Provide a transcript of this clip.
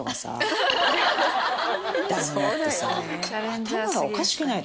旦那ってさ頭がおかしくないと。